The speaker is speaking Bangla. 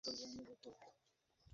যারা ঘুষ ও খিয়ানতকে ঘৃণা করেন।